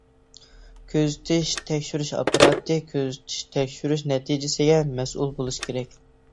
كۆزىتىش، تەكشۈرۈش ئاپپاراتى كۆزىتىش، تەكشۈرۈش نەتىجىسىگە مەسئۇل بولۇشى كېرەك.